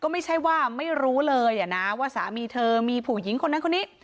ไม่ใช่ว่าไม่รู้เลยนะว่าสามีเธอมีผู้หญิงคนนั้นคนนี้